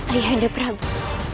ayah anda prabu